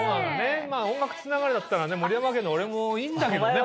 音楽つながりだったらね森山家の俺もいいんだけどね